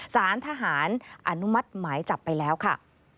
สารทหารอนุมัติหมายจับไปแล้วค่ะ